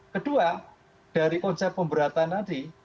kedua dari konsep pemberatan tadi